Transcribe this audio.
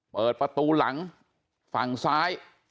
เปิดประตูหลังฝั่งซ้าย